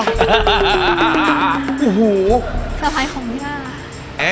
สะพัยของย่า